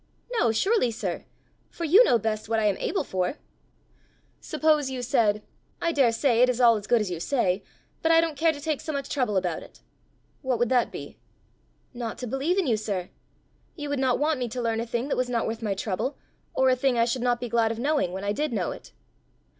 "No, surely, sir! for you know best what I am able for." "Suppose you said, 'I daresay it is all as good as you say, but I don't care to take so much trouble about it,' what would that be?" "Not to believe in you, sir. You would not want me to learn a thing that was not worth my trouble, or a thing I should not be glad of knowing when I did know it."